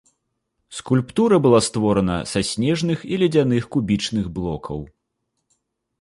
Скульптура была створана са снежных і ледзяных кубічных блокаў.